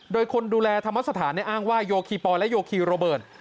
โดยคนดูแลธรรมสถานอ้างว่าโยคีปอลและโยคีโรเบิร์ต